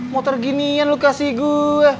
motor ginian lu kasih gue